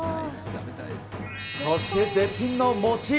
そして絶品の餅。